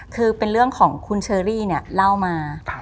คือเป็นเรื่องของคุณเชอรี่เนี่ยเล่ามา